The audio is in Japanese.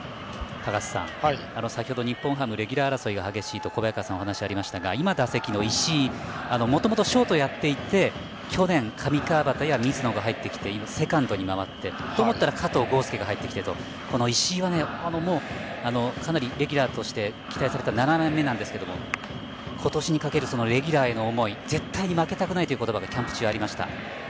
先程、日本ハムはレギュラー争いが激しいと小早川さんからお話がありましたが今、打席の石井はもともとショートをやっていて去年、上川畑や水野が入ってきてセカンドに回ってと思ったら加藤豪将が入ってきてとこの石井はレギュラーとしてかなり期待された７年目なんですが今年にかけるレギュラーへの思い絶対に負けたくないという言葉がキャンプ中ありました。